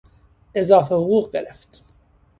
اضافه حقوق گرفت.